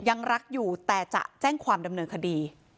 ยังรักอยู่แต่จะแจ้งความดำเนินคดี